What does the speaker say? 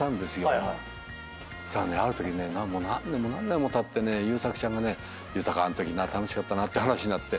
あるときね何年も何年もたって優作ちゃんがね「豊あんとき楽しかったな」って話になって。